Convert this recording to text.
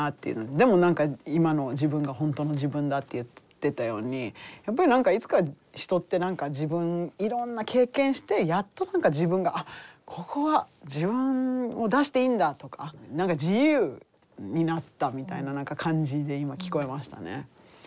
でも何か今の自分が本当の自分だって言ってたようにやっぱり何かいつか人っていろんな経験してやっと何か自分が「あっここは自分を出していいんだ」とか何か自由になったみたいな感じで今聞こえましたね。